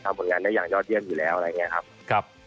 ทำผลงานได้อย่างยอดเยี่ยมอยู่แล้วนะครับ